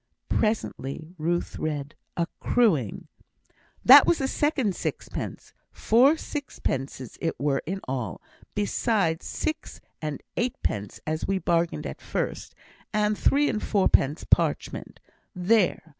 Presently Ruth read, "accruing." "That was the second sixpence. Four sixpences it were in all, besides six and eightpence as we bargained at first, and three and fourpence parchment. There!